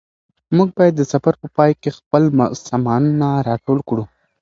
موږ باید د سفر په پای کې خپل سامانونه راټول کړو.